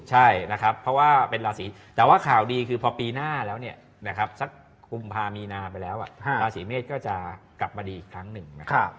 เพราะว่าเป็นลาศีแต่ว่าข่าวดีคือพอปีหน้าแล้วสักคุมภามีนาไปแล้วลาศีเมษก็จะกลับมาดีอีกครั้งหนึ่ง